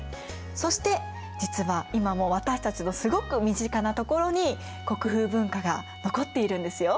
そして実は今も私たちのすごく身近なところに国風文化が残っているんですよ。